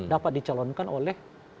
dapat dicalonkan oleh